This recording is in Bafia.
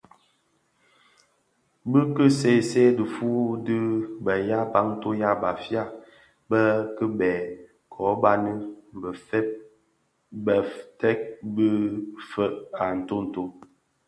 Bi ki see see dhifuu di bè yabantu (ya Bafia) be kibèè kō bani bëftëg bis fèeg a ntonto.